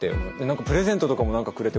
プレゼントとかも何かくれて。